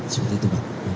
seperti itu pak terima kasih